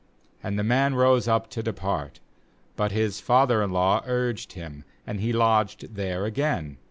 ' 7And the man rose up to depart; but his father in law urged him, and he lodged there again.